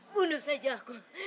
bunuh saja aku